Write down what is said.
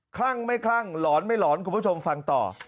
ลั่งไม่คลั่งหลอนไม่หลอนคุณผู้ชมฟังต่อ